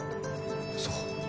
そう。